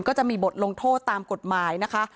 ก็จะมีบทลงโทษตามกฎหมายนะคะ